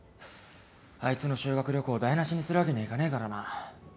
あいつの修学旅行台無しにするわけにはいかねえからな。